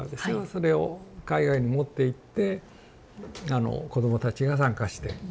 それを海外に持っていって子どもたちが参加して。